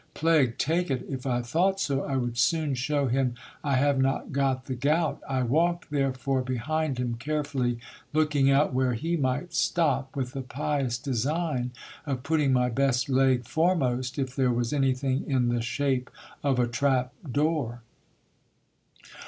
Plague tr.ke it ! If I thought so, I would soon show him I have not got the gout. I w alked , therefore, behind him carefully looking out where he might stop, with tl :e pious design of putting my best leg foremost, if there was anything in the shape of a trap door.